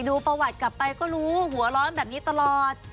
ดูประวัติกลับไปก็รู้หัวร้อนแบบนี้ตลอด